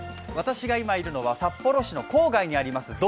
私が今いるのは札幌市の郊外にあります